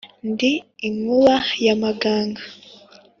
ndi inkuba y' amaganga.